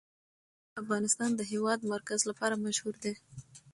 افغانستان د د هېواد مرکز لپاره مشهور دی.